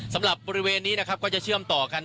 สำหรับบริเวณนี้นะครับก็จะเชื่อมต่อกัน